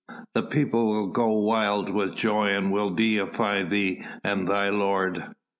The people will go wild with joy and will deify thee and thy lord."